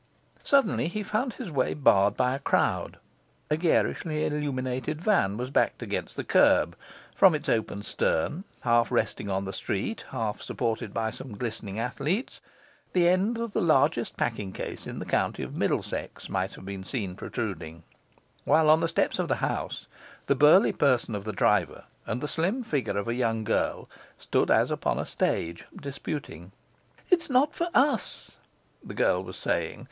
Suddenly he found his way barred by a crowd. A garishly illuminated van was backed against the kerb; from its open stern, half resting on the street, half supported by some glistening athletes, the end of the largest packing case in the county of Middlesex might have been seen protruding; while, on the steps of the house, the burly person of the driver and the slim figure of a young girl stood as upon a stage, disputing. 'It is not for us,' the girl was saying.